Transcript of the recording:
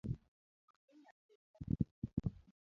Onindo asika.